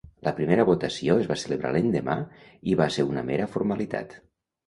La primera votació es va celebrar l'endemà i va ser una mera formalitat.